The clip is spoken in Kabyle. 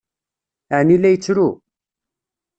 Ɛni la yettru?